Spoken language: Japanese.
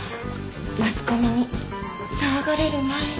マスコミに騒がれる前に。